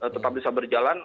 tetap bisa berjalan